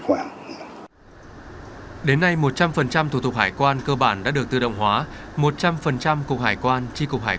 hiện nay một trăm linh thủ tục hải quan cơ bản đã được tự động hóa một trăm linh cục hải quan tri cục hải